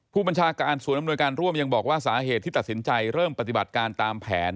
ผู้บัญชาการศูนย์อำนวยการร่วมยังบอกว่าสาเหตุที่ตัดสินใจเริ่มปฏิบัติการตามแผน